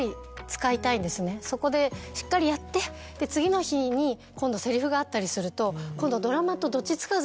そこでしっかりやって次の日に今度セリフがあったりすると。